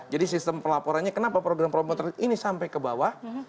jadi sistem laporannya kenapa program promoter ini sampai ke bawah